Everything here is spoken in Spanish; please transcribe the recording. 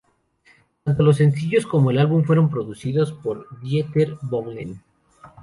Tanto los sencillos como el álbum fueron producidos por Dieter Bohlen.